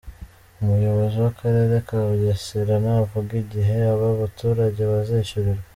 Umuyobozi w’Akarere ka Bugesera ntavuga igihe aba baturage bazishyurirwa.